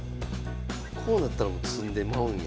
こうなったらもう詰んでまうんや。